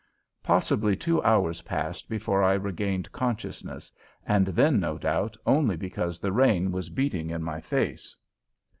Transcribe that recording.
Possibly two hours passed before I regained consciousness, and then, no doubt, only because the rain was beating in my face.